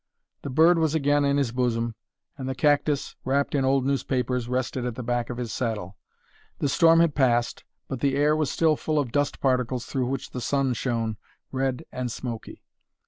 The bird was again in his bosom, and the cactus, wrapped in old newspapers, rested at the back of his saddle. The storm had passed, but the air was still full of dust particles through which the sun shone, red and smoky.